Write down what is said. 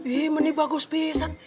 iya ini bagus pisah